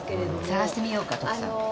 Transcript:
探してみようか徳さん。